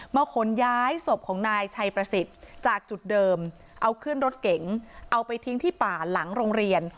ขนย้ายศพของนายชัยประสิทธิ์จากจุดเดิมเอาขึ้นรถเก๋งเอาไปทิ้งที่ป่าหลังโรงเรียน